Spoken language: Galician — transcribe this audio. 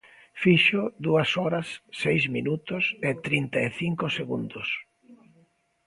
Fixo dúas horas, seis minutos e trinta e cinco segundos.